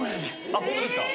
あっホントですか。